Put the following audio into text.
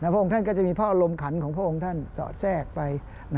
พระองค์ท่านก็จะมีพระอารมณ์ขันของพระองค์ท่านสอดแทรกไป